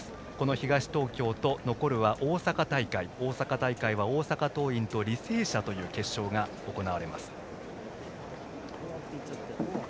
東東京と残るは大阪大会で大阪大会は大阪桐蔭と履正社の決勝が行われます。